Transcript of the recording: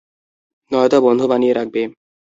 নয়তো বন্ধু বানিয়ে রাখবে।